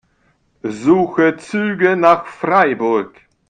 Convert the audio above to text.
Suche Züge nach Freiburg.